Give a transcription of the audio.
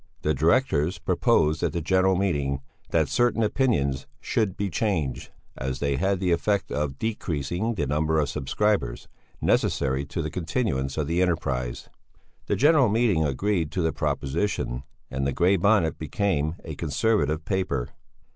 The directors proposed at the General Meeting that certain opinions should be changed, as they had the effect of decreasing the number of subscribers, necessary to the continuance of the enterprise. The General Meeting agreed to the proposition, and the Grey Bonnet became a Conservative paper.